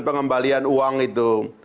pengembalian uang itu